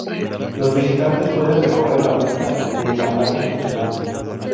Los visitantes pueden recorrer la planta de ensamblaje funcionando.